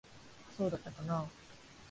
そうだったかなあ。